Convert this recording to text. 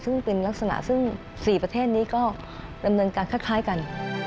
ซึ่งเป็นลักษณะซึ่ง๔ประเทศนี้ก็ดำเนินการคล้ายกัน